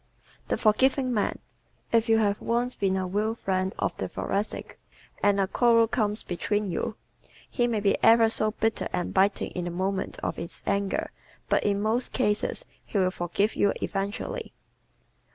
The Forgiving Man ¶ If you have once been a real friend of a Thoracic and a quarrel comes between you, he may be ever so bitter and biting in the moment of his anger but in most cases he will forgive you eventually.